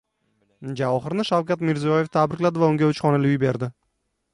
Javohirni Shavkat Mirziyoyev tabrikladi va unga uch xonali uy berildi